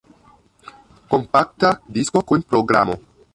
Kompakta disko kun programo.